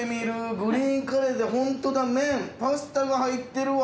グリーンカレーでホントだ麺パスタが入ってるわ。